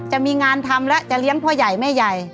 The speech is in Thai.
จะมีงานทำแล้วจะเลี้ยงพ่อใหญ่แม่ใหญ่